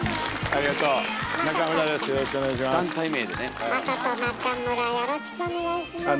ありがとうございます。